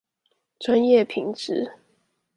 專業品質